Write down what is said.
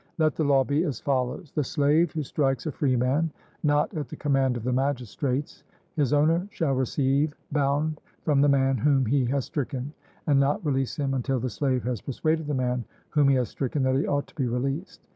Let the law be as follows: The slave who strikes a freeman, not at the command of the magistrates, his owner shall receive bound from the man whom he has stricken, and not release him until the slave has persuaded the man whom he has stricken that he ought to be released.